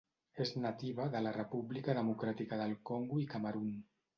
És nativa de la República Democràtica del Congo i Camerun.